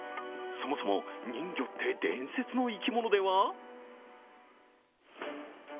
そもそも人魚って、伝説の生き物では？